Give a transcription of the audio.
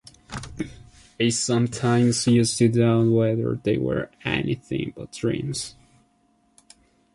I sometimes used to doubt whether they were anything but dreams.